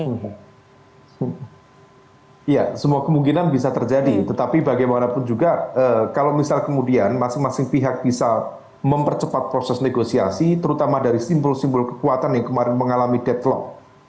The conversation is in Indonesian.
ya semua kemungkinan bisa terjadi tetapi bagaimanapun juga kalau misal kemudian masing masing pihak bisa mempercepat proses negosiasi terutama dari simbol simbol kekuatan yang kemarin mengalami deadlock